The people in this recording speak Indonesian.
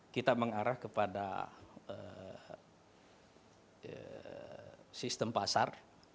kita mengarah kepada sistem pasar